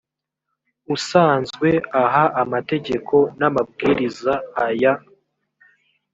usanzwe aha amategeko n amabwiriza aya